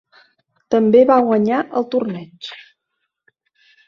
També va guanyar el torneig.